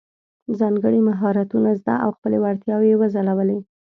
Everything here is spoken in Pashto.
ځانګړي مهارتونه زده او خپلې وړتیاوې یې وځلولې.